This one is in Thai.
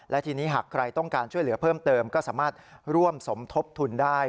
และทีนี้หากใครต้องการช่วยเหลือเพิ่มเติมก็สามารถร่วมสมทบทุนได้